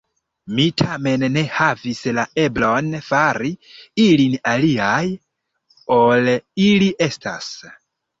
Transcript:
Mi tamen ne havis la eblon fari ilin aliaj, ol ili estas.